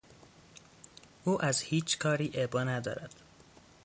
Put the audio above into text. او از هیچکاری ابا ندارد.